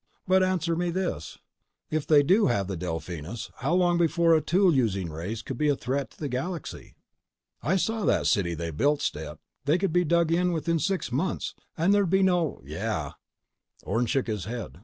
But answer me this: If they do have the Delphinus, how long before a tool using race could be a threat to the galaxy?" "I saw that city they built, Stet. They could be dug in within six months, and there'd be no—" "Yeah." Orne shook his head.